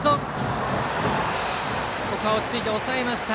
落ち着いて抑えました。